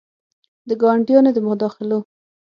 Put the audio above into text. د ګاونډیانو د مداخلو